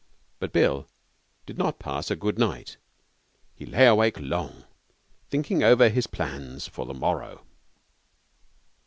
But Bill did not pass a good night. He lay awake long, thinking over his plans for the morrow.